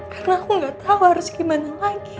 karena aku gak tau harus gimana lagi